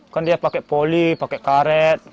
kan dia pakai poli pakai karet